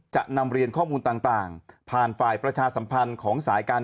จะนำเรียนข้อมูลต่างผ่านฝ่ายประชาสัมพันธ์ของสายการ